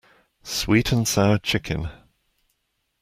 Sweet-and-sour chicken.